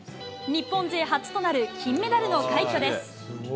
日本勢初となる金メダルの快挙です。